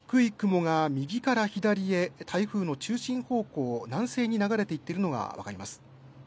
山の上のほうを見てみますと低い雲が右から左へ台風の中心方向、南西に流れていっているのが分かります。